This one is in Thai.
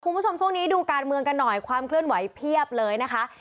คุณผู้ชมช่วงนี้ดูการเมืองกันหน่อยความเคลื่อนไหวเพียบเลยนะคะ